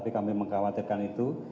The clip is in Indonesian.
kami mengkhawatirkan itu